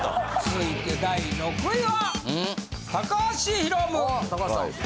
続いて第６位は！